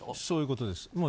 そういうことです。